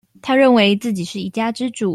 他認為自己是一家之主